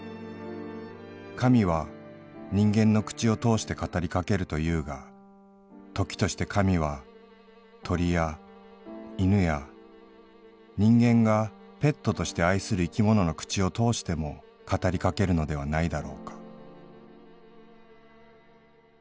『神は人間の口を通して語りかけると言うが時として神は鳥や犬や人間がペットとして愛する生きものの口を通しても語りかけるのではないだろうか』」。